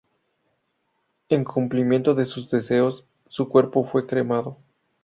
En cumplimiento de sus deseos, su cuerpo fue cremado.